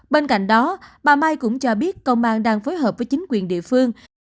bên cạnh đó bà mai cũng cho biết công an đang phối hợp với chính quyền địa phương